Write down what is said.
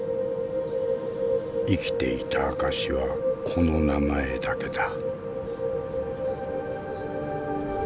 生きていた証しはこの名前だけだ。